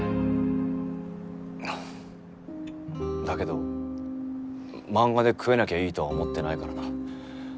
だけど漫画で食えなきゃいいとは思ってないからな。